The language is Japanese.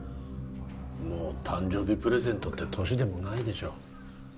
もう誕生日プレゼントって年でもないでしょ